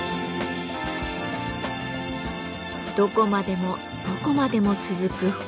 どこまでもどこまでも続く本。